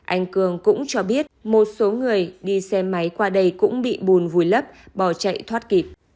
anh cường cũng cho biết một số người đi xe máy qua đây cũng bị bùn vùi lấp bỏ chạy thoát kịp